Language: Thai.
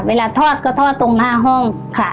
เวลาทอดก็ทอดตรงหน้าห้องค่ะ